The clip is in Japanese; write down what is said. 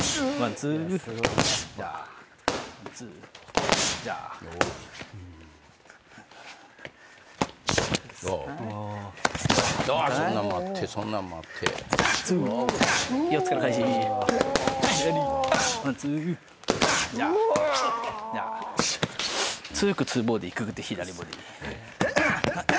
ツーフックツーボディーくぐって左ボディー。